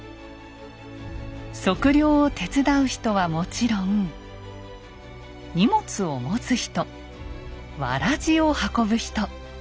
測量を手伝う人はもちろん荷物を持つ人わらじを運ぶ人。